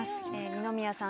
二宮さん